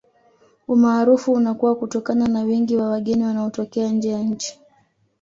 Umaarufu unakuwa kutokana na wingi wa wageni wanaotokea nje ya nchi